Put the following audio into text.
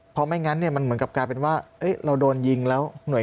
เพราะไม่งั้นเนี่ยมันเหมือนกับกลายเป็นว่าเราโดนยิงแล้วหน่วย